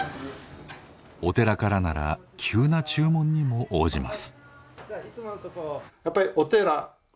お寺からなら急な注文にも応じます。